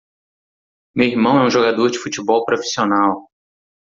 Meu irmão é um jogador de futebol profissional.